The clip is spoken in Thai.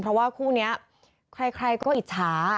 เพราะว่าคู่นี้ใครก็อิจฉา